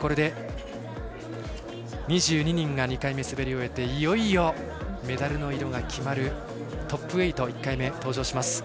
これで２２人が２回目滑り終えていよいよメダルの色が決まるトップ８１回目、登場します。